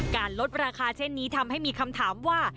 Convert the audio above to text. ลดราคาเช่นนี้ทำให้มีคำถามว่า